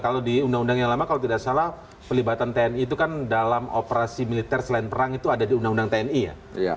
kalau di undang undang yang lama kalau tidak salah pelibatan tni itu kan dalam operasi militer selain perang itu ada di undang undang tni ya